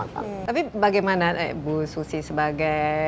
tapi bagaimana bu susi sebagai